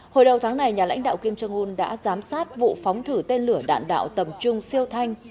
hồi đầu tháng này nhà lãnh đạo kim jong un đã giám sát vụ phóng thử tên lửa đạn đạo tầm trung siêu thanh